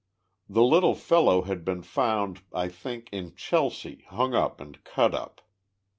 The little fellow had been found, I think, in Chelsea, hung up and cut up.